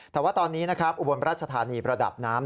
แต่ว่าตอนนี้นะครับอุบลราชธานีประดับน้ำ